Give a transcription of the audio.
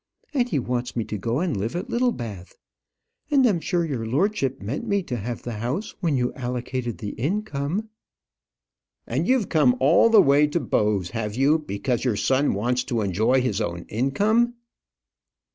And he wants me to go and live at Littlebath. And I'm sure your lordship meant me to have the house when you allocated the income." "And you've come all the way to Bowes, have you, because your son wants to enjoy his own income?"